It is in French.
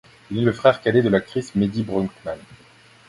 Il est le frère cadet de l'actrice Medi Broekman.